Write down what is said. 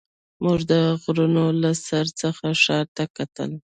موږ د غرونو له سر څخه ښار ته کتل.